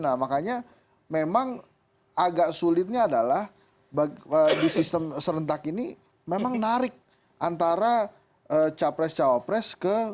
nah makanya memang agak sulitnya adalah di sistem serentak ini memang narik antara capres cawapres ke